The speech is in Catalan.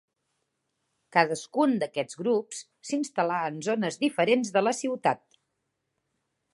Cadascun d'aquests grups s'instal·là en zones diferents de la ciutat.